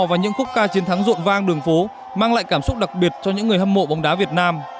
và những khúc ca chiến thắng rộn vang đường phố mang lại cảm xúc đặc biệt cho những người hâm mộ bóng đá việt nam